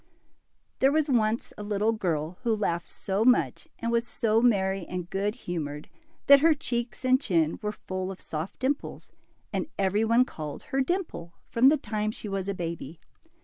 T HEEE was once a little girl who laughed so much and was so merry and good humored, that her cheeks and chin were full of soft dimples, and every one called her Dimple from the time she was a baby.